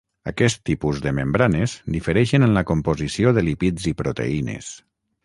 Aquest tipus de membranes difereixen en la composició de lípids i proteïnes.